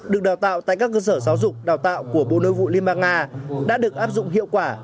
được đào tạo tại các cơ sở giáo dục đào tạo của bộ nội vụ liên bang nga đã được áp dụng hiệu quả